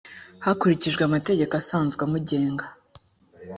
hakurikijwe amategeko asanzwe amugenga